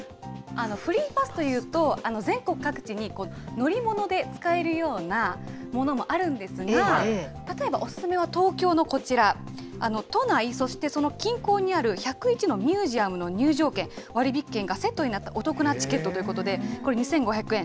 フリーパスというと、全国各地に乗り物で使えるようなものもあるんですが、例えばお勧めは東京のこちら、都内、そしてその近郊にある１０１のミュージアムの入場券や割引券がセットになったお得なチケットということで、これ、２５００円。